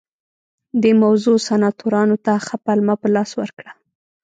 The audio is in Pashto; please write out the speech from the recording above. دې موضوع سناتورانو ته ښه پلمه په لاس ورکړه